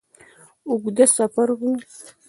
اوږد سفر وو.